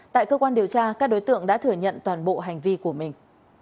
tại cơ quan điều tra các đối tượng đã thừa nhận toàn bộ hành vi của mình